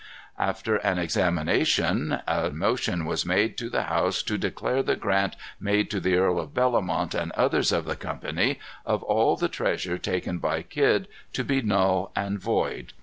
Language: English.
After an examination, a motion was made to the House to declare the grant made to the Earl of Bellomont and others of the company, of all the treasure taken by Kidd, to be null and void.